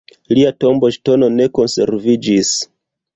Lia tomboŝtono ne konserviĝis.